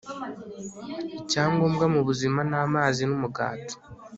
icya ngombwa mu buzima, ni amazi n'umugati